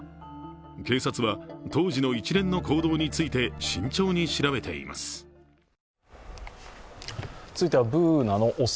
警察は当時の一連の行動について慎重に調べています。